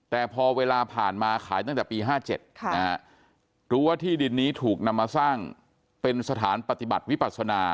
แต่พอเวลาผ่านมาขายตั้งแต่ปี๕๗รู้ว่าที่ดินนี้ถูกนำมาสร้างเป็นสถานปฏิบัติวิปัสนา